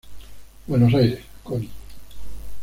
Buenos Aires: Coni.